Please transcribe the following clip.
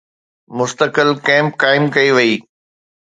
مستقل ڪئمپ قائم ڪئي وئي